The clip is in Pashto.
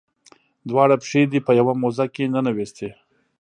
دواړه پښې دې په یوه موزه کې ننویستې.